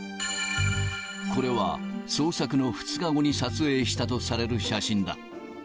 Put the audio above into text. これは捜索の２日後に撮影したとされる写真だ。